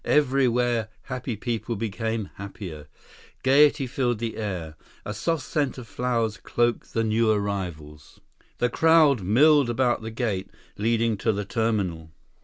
Everywhere, happy people became happier. Gaiety filled the air. A soft scent of flowers cloaked the new arrivals. The crowd milled about the gate leading to the terminal.